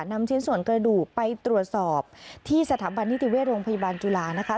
นำชิ้นส่วนกระดูกไปตรวจสอบที่สถาบันนิติเวชโรงพยาบาลจุฬานะคะ